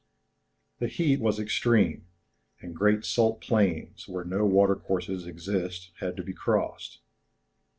The heat was extreme, and great salt plains, where no watercourses exist, had to be crossed.